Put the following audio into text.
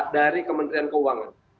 dari kementerian keuangan